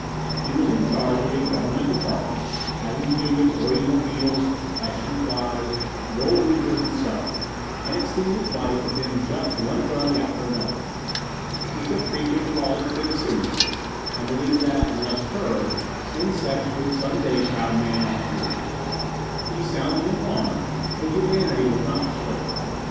He was in charge of a Government department having to do with Oriental beetles, Hessian flies, boll weevils and such, and it seemed his life had been just one bug after another. He took creeping, crawling things seriously and believed that, unless curbed, insects would some day crowd man off the earth. He sounded an alarm, but humanity was not disturbed.